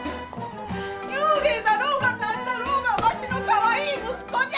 幽霊だろうが何だろうがわしのカワイイ息子じゃ！